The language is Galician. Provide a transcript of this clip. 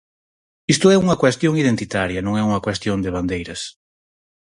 Isto é unha cuestión identitaria, non é unha cuestión de bandeiras.